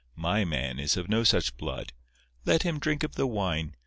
My man is of no such blood. Let him drink of the wine.